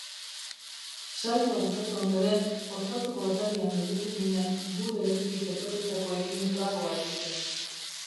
Saioa bukatu ondoren ostatuko atarian gelditu ginen gure herritik etorritakoekin tragoa egiten.